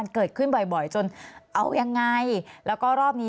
กล่อยกันไหมครับพี่